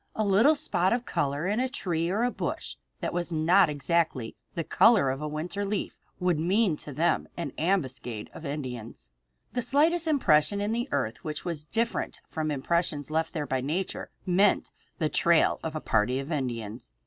A little spot of color in a tree or bush that was not exactly the color of a winter leaf would mean to them an ambuscade of Indians. The slightest impression in the earth which was different from impressions left there by nature meant the trail of a party of Indians.